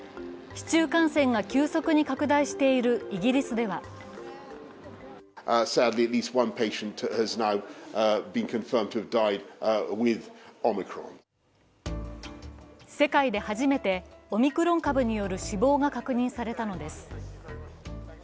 市中感染が急速に拡大しているイギリスでは世界で初めてオミクロン株による死亡が確認されたのです。